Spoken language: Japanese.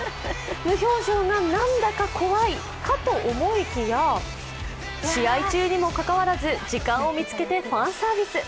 無表情がなんだか怖いかと思いきや、試合中にもかかわらず、時間を見つけてファンサービス。